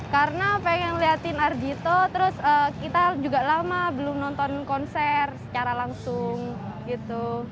karena pengen ngeliatin ardhito terus kita juga lama belum nonton konser secara langsung gitu